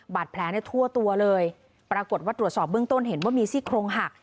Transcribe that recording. บาดแผลในทั่วตัวเลยปรากฏว่าตรวจสอบเบื้องต้นเห็นว่ามีซี่โครงหัก